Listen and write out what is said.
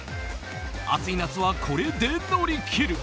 暑い夏はこれで乗り切る。